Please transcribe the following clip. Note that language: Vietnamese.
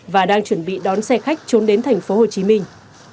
và đang chuẩn bị đón xe khách trốn đến thành phố hồ chí minh